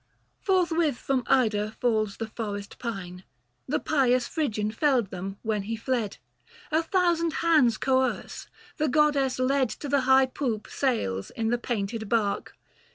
310 Forthwith from Ida falls the forest pine — The pious Phrygian felled them when he fled ; A thousand hands coerce ; the goddess led To the high poop sails in the painted bark.